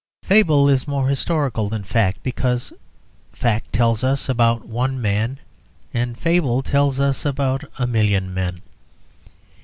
Fable is more historical than fact, because fact tells us about one man and fable tells us about a million men.